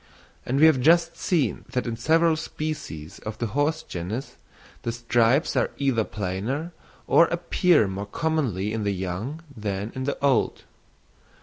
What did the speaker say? And we have just seen that in several species of the horse genus the stripes are either plainer or appear more commonly in the young than in the old.